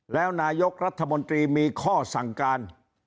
แล้วนายกรัฐมนตรีมีข้อสั่งการ